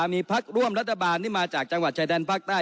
มีพักร่วมรัฐบาลที่มาจากจังหวัดชายแดนภาคใต้